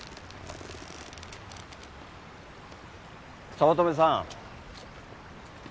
早乙女さん。